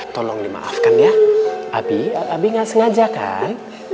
tolong dimaafkan ya abi abi gak sengaja kan